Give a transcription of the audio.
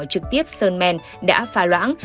trực tiếp sơn men đã pha loãng